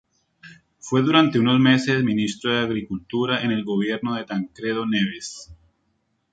Fue durante unos meses ministro de Agricultura en el gobierno de Tancredo Neves.